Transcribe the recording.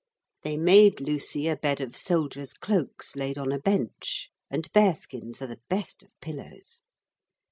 They made Lucy a bed of soldiers' cloaks laid on a bench; and bearskins are the best of pillows.